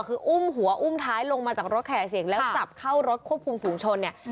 คืออุ้มหัวอุ้มท้ายลงมาจากรถแห่เสียงแล้วจับเข้ารถควบคุมฝูงชนเนี่ย